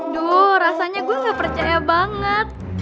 duh rasanya gue gak percaya banget